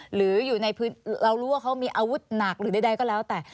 หรืออยู่ในพื้นเรารู้ว่าเขามีอาวุธหนักหรือใดก็แล้วแต่